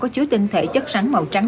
có chứa tinh thể chất rắn màu trắng